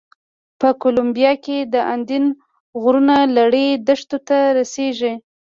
په کولمبیا کې د اندین غرونو لړۍ دښتو ته رسېږي.